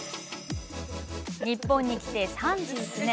日本に来て３９年